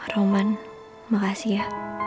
roman makasih ya